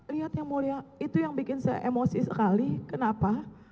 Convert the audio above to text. lihatnya mulia itu yang bikin saya emosi sekali kenapa